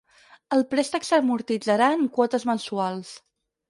El préstec s'amortitzarà en quotes mensuals.